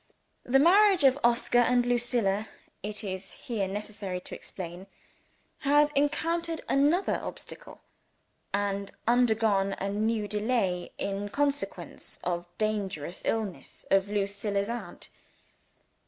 (The marriage of Oscar and Lucilla it is here necessary to explain had encountered another obstacle, and undergone a new delay, in consequence of the dangerous illness of Lucilla's aunt.